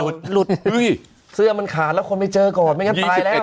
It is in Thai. เสื้อมันหลุดเสื้อมันขาดแล้วควรไม่เจอก่อนไม่งั้นตายแล้ว